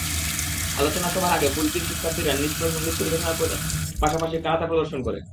আলোচনা সভার আগে ফুলকির শিক্ষার্থীরা নৃত্য, সংগীত পরিবেশনের পাশাপাশি কারাতে প্রদর্শন করে।